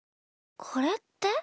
これって？